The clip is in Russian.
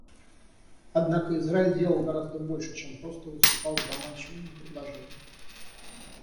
Однако Израиль делал гораздо больше, чем просто выступал с заманчивыми предложениями.